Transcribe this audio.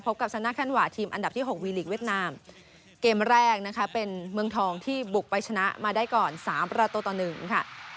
กับซานาคันหวาทีมอันดับที่หกวีลีกเวียดนามเกมแรกนะคะเป็นเมืองทองที่บุกไปชนะมาได้ก่อนสามประตูต่อหนึ่งค่ะ